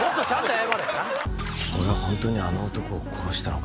「俺はホントにあの男を殺したのか？」